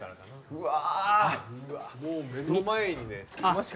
うわ。